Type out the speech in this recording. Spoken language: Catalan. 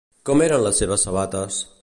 Com eren les seves sabates?